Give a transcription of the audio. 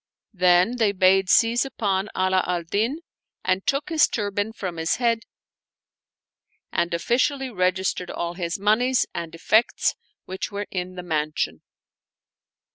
Then they bade seize upon Ala al Din and took his turban from his head, and officially registered all his moneys and effects which were in the mansion.